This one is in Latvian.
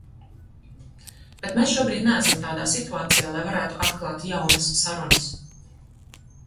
Bet mēs šobrīd neesam tādā situācijā, lai varētu atklāt jaunas sarunas.